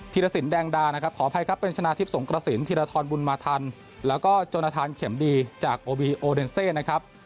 รสินแดงดานะครับขออภัยครับเป็นชนะทิพย์สงกระสินธีรทรบุญมาทันแล้วก็จนทานเข็มดีจากโอบีโอเดนเซนะครับ